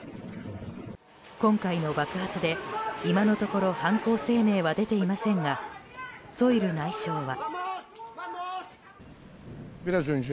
今回の爆発で、今のところ犯行声明は出ていませんがソイル内相は。